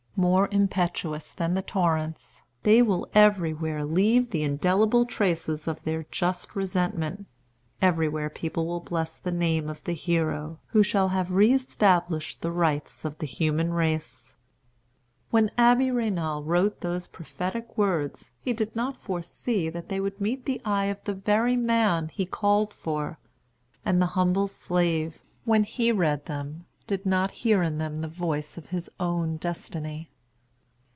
More impetuous than the torrents, they will everywhere leave the indelible traces of their just resentment. Everywhere people will bless the name of the hero who shall have re established the rights of the human race." When the Abbé Raynal wrote those prophetic words, he did not foresee that they would meet the eye of the very man he called for; and the humble slave, when he read them, did not hear in them the voice of his own destiny.